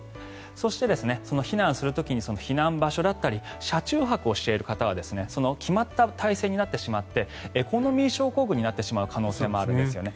そして、避難する時に避難場所だったり車中泊をしている方は決まった体勢になってしまってエコノミー症候群になってしまう可能性があるんですよね。